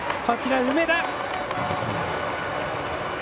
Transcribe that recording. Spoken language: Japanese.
こちら、梅田。